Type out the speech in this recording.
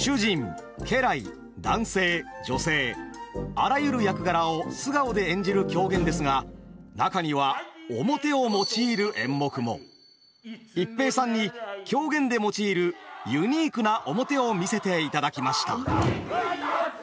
あらゆる役柄を素顔で演じる狂言ですが中には逸平さんに狂言で用いるユニークな面を見せていただきました。